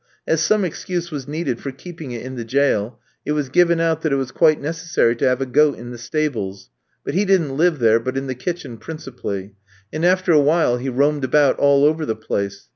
As some excuse was needed for keeping it in the jail, it was given out that it was quite necessary to have a goat in the stables; but he didn't live there, but in the kitchen principally; and after a while he roamed about all over the place.